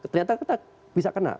ternyata kita bisa kena